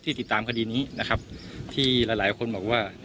ติดตามคดีนี้นะครับที่หลายหลายคนบอกว่า